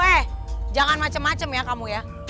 eh jangan macem macem ya kamu ya